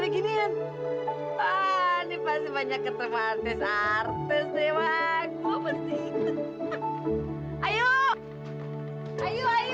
kenapa gak kasih tau aja